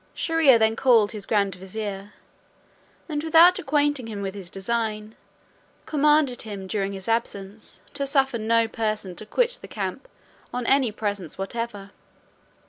Shier ear then called his grand vizier, and, without acquainting him with his design, commanded him during his absence to suffer no person to quit the camp on any presence whatever.